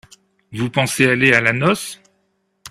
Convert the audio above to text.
Vous pensez aller à la noce ?